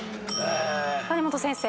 谷本先生。